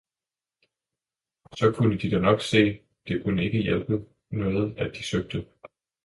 Så kunne de da nok se, det kunne ikke hjælpe noget at de søgte.